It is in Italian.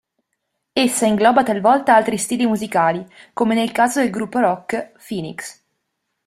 Essa ingloba talvolta altri stili musicali, come nel caso del gruppo rock Phoenix.